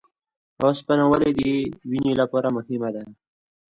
اوسپنه ولې د وینې لپاره مهمه ده؟